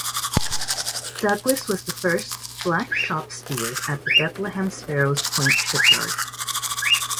Douglas was the first Black shop steward at the Bethlehem Sparrows Point Shipyard.